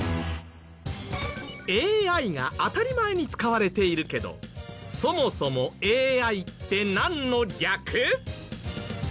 ＡＩが当たり前に使われているけどそもそもＡＩってなんの略？